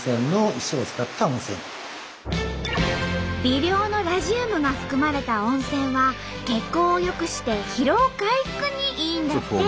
微量のラジウムが含まれた温泉は血行を良くして疲労回復にいいんだって！